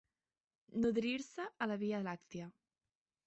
Nodrir-se a la via làctia.